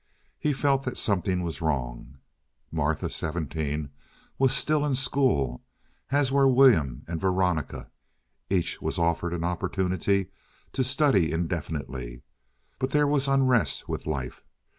He felt that something was wrong. Martha, seventeen, was still in school, as were William and Veronica. Each was offered an opportunity to study indefinitely; but there was unrest with life.